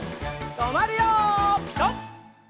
とまるよピタ！